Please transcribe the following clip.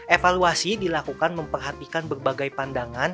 evaluasi dilakukan memperhatikan berbagai pandangan